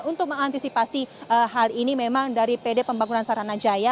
untuk mengantisipasi hal ini memang dari pd pembangunan saranajaya